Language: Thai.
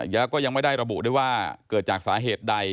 แล้วก็ยังไม่ได้ระบุด้วยว่าเกิดจากสาเหตุใด